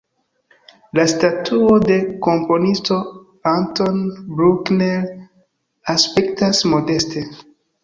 La statuo de komponisto Anton Bruckner aspektas modeste.